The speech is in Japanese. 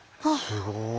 すごい。